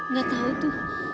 tidak tahu itu